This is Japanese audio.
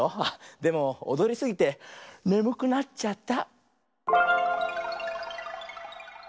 でもおどりすぎてねむくなっちゃった。